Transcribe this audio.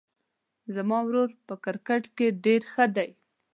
زما ورور په کرکټ کې ډېر ښه ده